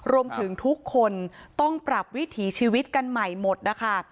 รวมถึงทุกคนต้องปรับวิถีชีวิตกันใหม่หมดนะคะ